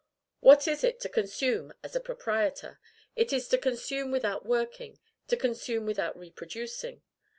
What is it to consume as a proprietor? It is to consume without working, to consume without reproducing.